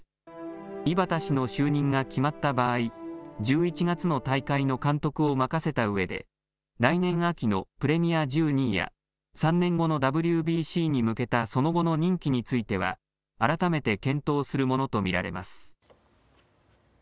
井端氏の就任が決まった場合、１１月の大会の監督を任せたうえで来年秋のプレミア１２や３年後のＷＢＣに向けたその後の任期については改めて検討するものと見られます。